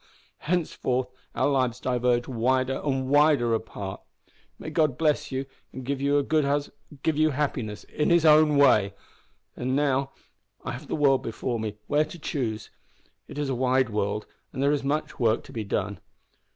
henceforth our lives diverge wider and wider apart. May God bless you and give you a good hus give you happiness in His own way! And now I have the world before me where to choose. It is a wide world, and there is much work to be done.